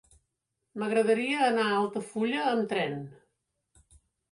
M'agradaria anar a Altafulla amb tren.